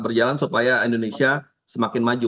berjalan supaya indonesia semakin maju